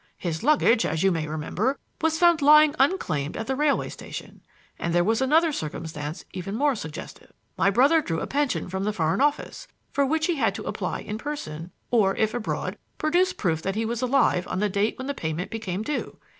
His luggage, as you may remember, was found lying unclaimed at the railway station; and there was another circumstance even more suggestive. My brother drew a pension from the Foreign Office, for which he had to apply in person, or, if abroad, produce proof that he was alive on the date when the payment became due.